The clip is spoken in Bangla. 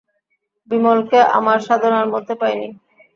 বিমলকে আমার সাধনার মধ্যে পাই নি।